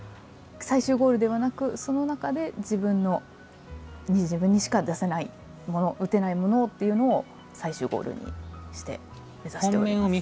最終ゴールではなく、その中で自分にしか出せないもの打てないものっていうのを最終ゴールにして目指しております。